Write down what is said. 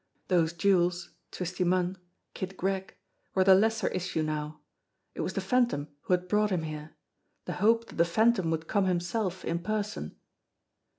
Those jewels, Twisty Munn, Kid Gregg were the lesser issue now. It was the Phantom who had brought him here, the hope that the Phantom would come himself in person.